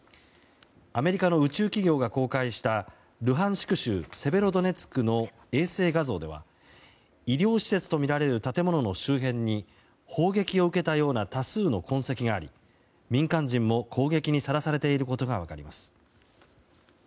アメリカの宇宙企業が公開したルハンシク州セベロドネツクの衛星画像では医療施設とみられる建物の周辺に砲撃を受けたような多数の痕跡があり民間人も攻撃にさらされていることが分かります。